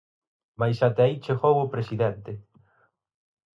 Mais até aí chegou o presidente.